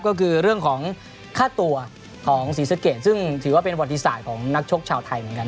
ก็คือเรื่องของค่าตัวของศรีสะเกดซึ่งถือว่าเป็นวัติศาสตร์ของนักชกชาวไทยเหมือนกัน